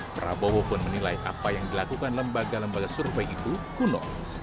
prabowo pun menilai apa yang dilakukan lembaga lembaga survei itu kuno